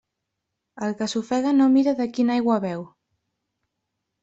El que s'ofega no mira de quina aigua beu.